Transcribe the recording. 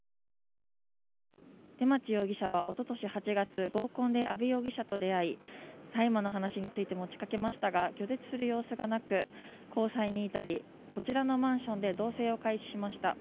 出町容疑者は一昨年８月合コンで安部容疑者と出会い大麻の話について持ちかけましたが拒絶する様子がなく交際に至りこちらのマンションで同棲を開始しました。